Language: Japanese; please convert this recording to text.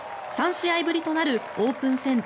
３試合ぶりとなるオープン戦